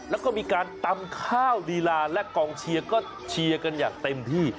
แล้วก็มีการตำข้าวลีลาและกองเชียร์ก็เชียร์กันอย่างเต็มที่